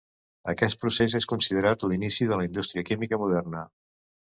Aquest procés és considerat l'inici de la indústria química moderna.